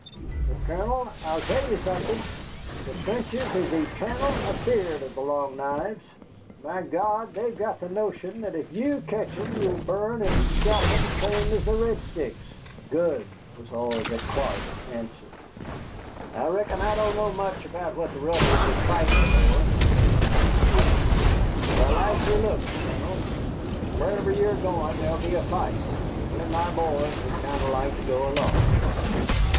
But, Colonel, I'll tell ye something: the Frenchies is etarnal afeard of the Long Knives. My God! they've got the notion that if you ketch 'em you'll burn and scalp 'em same as the Red Sticks." "Good," was all that Clark answered. "I reckon I don't know much about what the Rebels is fighting for," said John Duff; "but I like your looks, Colonel, and wharever you're going there'll be a fight. Me and my boys would kinder like to go along."